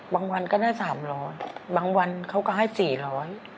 วันก็ได้สามร้อยบางวันเขาก็ให้สี่ร้อย